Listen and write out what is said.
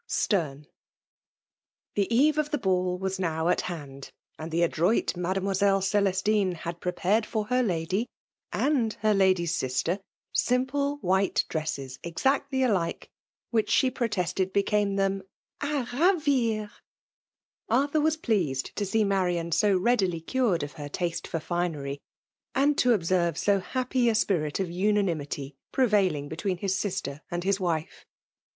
STiaiva. The eve of the ball was now at hand ; and ihb adroit Mademoiselle C^lestinc had prepared for « her lady, and her lady's sister, simple wMtfe dresses, exactly alike, which she protested be came them '' a ravir'^ Arthur was pleased to see Marian so readily cured of her taste fbr finery, and to observe so happy a spirit of una nimity prevailing between his sister and hk FEMALE DOXIKATION. 101 vife.